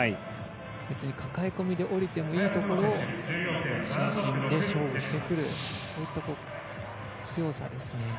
別に抱え込みで下りていいところを伸身で勝負してくるそういった強さですね。